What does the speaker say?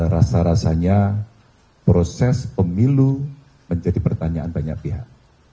rasa rasanya proses pemilu menjadi pertanyaan banyak pihak